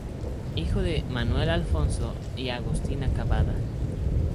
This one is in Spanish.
Hijo de Manuel Alfonso y Agustina Cavada.